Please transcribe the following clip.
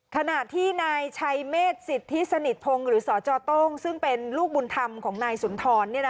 ขณะที่นายชัยเมษสิทธิสนิทพงศ์หรือสจต้งซึ่งเป็นลูกบุญธรรมของนายสุนทร